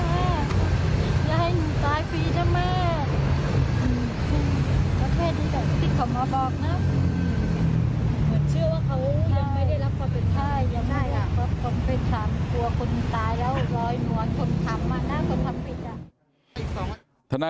กลัวคนตายแล้วรอยหัวคนทำน่าจะทำผิด